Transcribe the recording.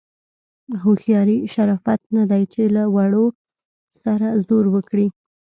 هوښیاري شرافت نه دی چې له وړو سره زور وکړي.